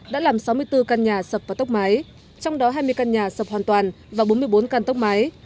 đã làm sáu mươi bốn căn nhà sập và tốc máy trong đó hai mươi căn nhà sập hoàn toàn và bốn mươi bốn căn tốc máy